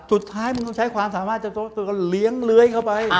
สุดท้ายมันต้องใช้ความสามารถจะเลี้ยงเลื้อยเข้าไป